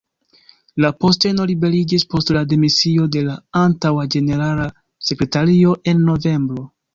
La posteno liberiĝis post la demisio de la antaŭa ĝenerala sekretario en novembro.